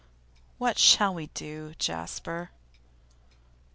'What shall we do, Jasper?